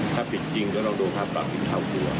ถ้าผิดจริงลองดูค่าปรับอีกเท่าตัว